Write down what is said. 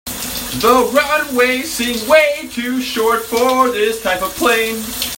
The runway seems way to short for this type of plane.